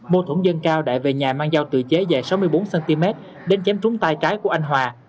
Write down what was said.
mô thuẫn dân cao đại về nhà mang dao tự chế dài sáu mươi bốn cm đến chém trúng tay trái của anh hòa